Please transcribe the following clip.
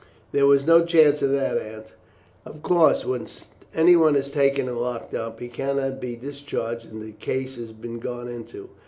"There was no chance of that, Aunt. Of course, when anyone is taken and locked up, he cannot be discharged until the case has been gone into.